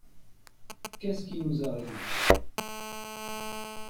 Qu’est ce qui nous arrive ?